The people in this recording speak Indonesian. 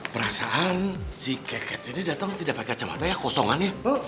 perasaan si keket jadi datang tidak pakai kacamata ya kosongan ya